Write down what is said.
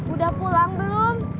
udah pulang belum